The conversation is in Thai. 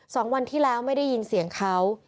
สองวันที่แล้วไม่ได้ยินเสียงเขา